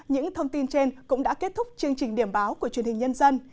những thông tin trên cũng đã kết thúc chương trình điểm báo của truyền hình nhân dân